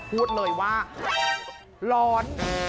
พูดเลยว่าร้อน